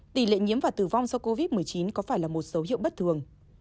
tỷ lệ nhiễm và tử vong do covid một mươi chín có phải là một dấu hiệu bất thường